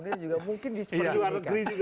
munir juga mungkin di luar negeri juga